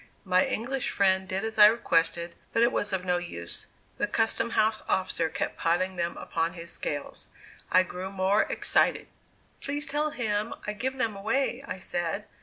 My English friend did as I requested; but it was of no use; the custom house officer kept piling them upon his scales. I grew more excited. "Please tell him I give them away," I said.